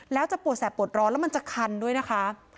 แล้วจะปวดแสบปวดร้อนแล้วมันจะคันด้วยนะคะ